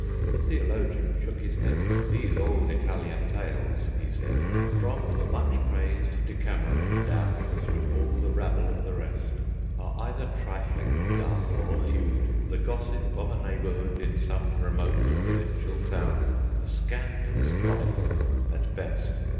The Theologian shook his head; "These old Italian tales," he said, "From the much praised Decameron down Through all the rabble of the rest, Are either trifling, dull, or lewd; The gossip of a neighborhood In some remote provincial town, A scandalous chronicle at best!